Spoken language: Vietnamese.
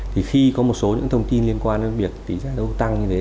thì khi có một số những thông tin liên quan đến việc tỷ giá đâu tăng như thế